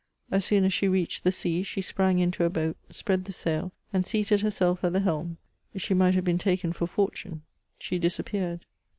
As soon as she reached the sea, she sprang into a boat— spread the sail — and seated her* fieU at the helm ; she might have been taken for Fortune ; she disappeared.